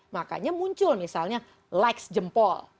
makanya muncul misalnya likes jempol